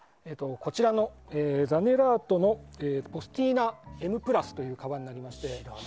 こちらのザネラートのポスティーナＭ＋というカバンになりまして。